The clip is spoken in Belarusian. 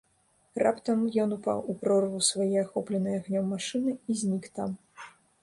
Раптам ён упаў у прорву свае ахопленай агнём машыны і знік там.